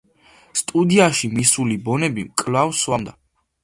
სტუდიაში მისული ბონემი კვლავ სვამდა.